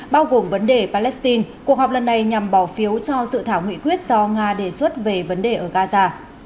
bao gồm vấn đề palestine cuộc họp lần này nhằm bỏ phiếu cho dự thảo nghị quyết do nga đề xuất về vấn đề ở gaza